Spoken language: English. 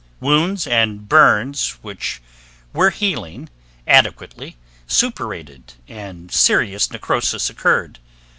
Wounds and burns which were healing adequately suppurated and serious necrosis occurred.